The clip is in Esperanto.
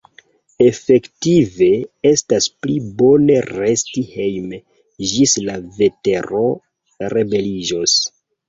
Efektive, estas pli bone resti hejme, ĝis la vetero rebeliĝos.